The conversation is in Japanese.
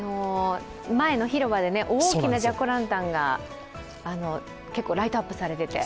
前の広場で大きなジャック・オー・ランタンがライトアップされていて。